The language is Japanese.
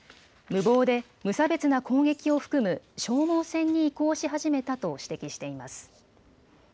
無謀で無差別な攻撃を含む消耗戦に移行し始めたと指摘しています。